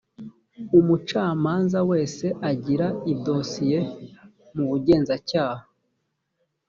umucamanza wese agira idosiye mu bugenzacyaha